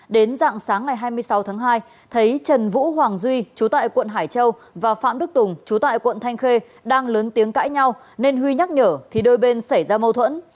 đến dạng sáng ngày hai mươi sáu tháng hai thấy trần vũ hoàng duy chú tại quận hải châu và phạm đức tùng chú tại quận thanh khê đang lớn tiếng cãi nhau nên huy nhắc nhở thì đôi bên xảy ra mâu thuẫn